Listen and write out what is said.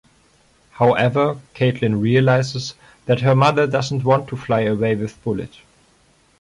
However, Kaitlin realizes that her mother doesn't want to fly away with Bullit.